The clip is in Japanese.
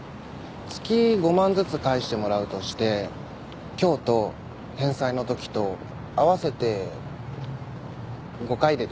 月５万ずつ返してもらうとして今日と返済の時と合わせて５回でどう？